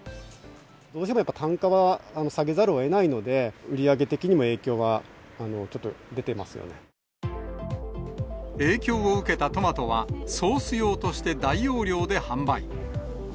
どうしてもやっぱ、単価は下げざるをえないので、売り上げ的にも影響はちょっと出影響を受けたトマトは、ソース用として大容量で販売。